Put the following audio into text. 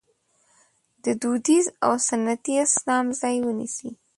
د دودیز او سنتي اسلام ځای ونیسي.